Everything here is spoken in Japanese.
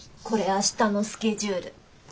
これ明日のスケジュール。